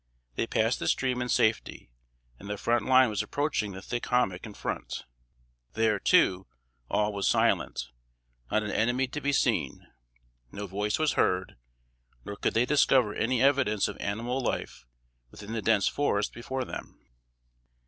They passed the stream in safety, and the front line was approaching the thick hommock in front. There, too, all was silent; not an enemy to be seen; no voice was heard, nor could they discover any evidence of animal life within the dense forest before them.